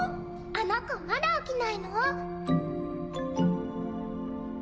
あの子まだ起きないの？